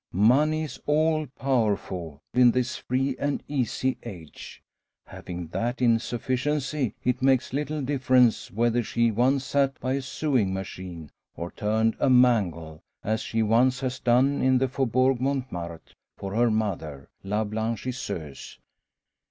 Money is all powerful in this free and easy age. Having that in sufficiency, it makes little difference whether she once sat by a sewing machine, or turned a mangle, as she once has done in the Faubourg Montmartre for her mother, la blanchisseuse.